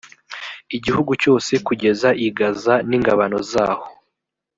igihugu cyose kugeza i gaza n ingabano zaho